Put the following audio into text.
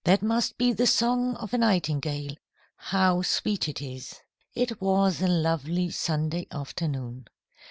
That must be the song of a nightingale. How sweet it is!" It was a lovely Sunday afternoon.